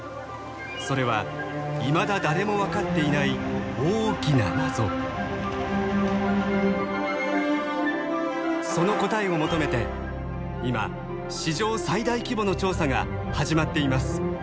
それはいまだ誰も分かっていないその答えを求めて今史上最大規模の調査が始まっています。